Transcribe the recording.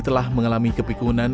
telah mengalami kepikunan